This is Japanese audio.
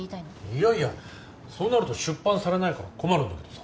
いやいやそうなると出版されないから困るんだけどさ。